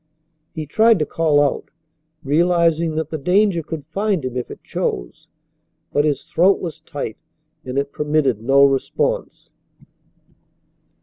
He tried to call out, realizing that the danger could find him if it chose, but his throat was tight and it permitted no response.